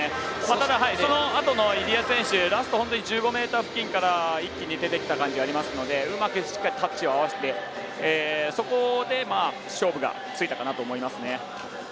ただ、そのあとの入江選手ラスト１５ｍ付近から一気に出てきた感じがありましたのでうまくしっかりタッチを合わせてそこで勝負がついたかなと。